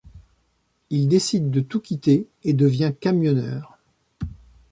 Il décide de tout quitter et devient camionneur.